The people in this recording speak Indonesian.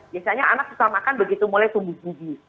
biasanya anak susah makan begitu mulai tumbuh gigi